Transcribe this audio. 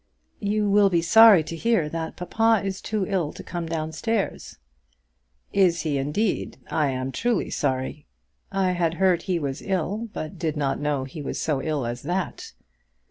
"You will be sorry to hear that papa is too ill to come down stairs." "Is he, indeed? I am truly sorry. I had heard he was ill; but did not know he was so ill as that."